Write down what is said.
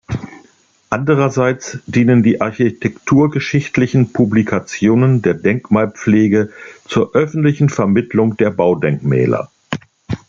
Andererseits dienen die architekturgeschichtlichen Publikationen der Denkmalpflege zur öffentlichen Vermittlung der Baudenkmäler.